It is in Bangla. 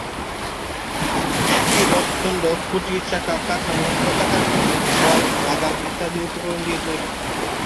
একটি রথ দন্ড, খুঁটি, চাকা, কাঠামো, পতাকার খুঁটি, জোয়াল, লাগাম ইত্যাদি উপকরণ দিয়ে তৈরি।